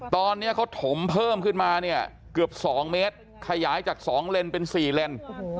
ตอนนี้เขาถมเพิ่มขึ้นมาเนี่ยเกือบ๒เมตรขยายจาก๒เลนเป็น๔เลน